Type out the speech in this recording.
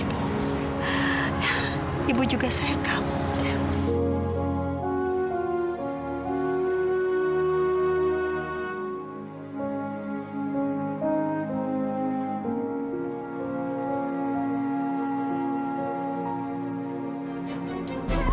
aku berharap kamu bisa menjadi pria back in myself